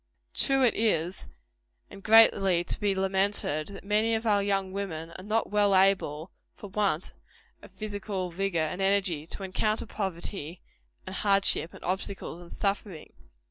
True it is and greatly to be lamented that many of our young women are not well able, for want of physical vigor and energy, to encounter poverty, and hardship, and obstacles, and suffering.